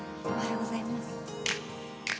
おはよう。